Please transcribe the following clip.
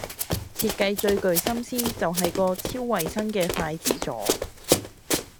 設計最具心思就係個超衛生嘅筷子座